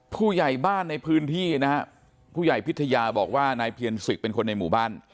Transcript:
ผู้ใหญ่บ้านในพื้นที่นะฮะผู้ใหญ่พิทยาบอกว่านายเพียรศึกเป็นคนในหมู่บ้าน